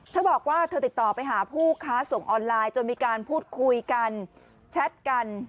เธอบอกว่าเธอติดต่อไปหาผู้ค้าส่งออนไลน์จนมีการพูดคุยกันแชทกัน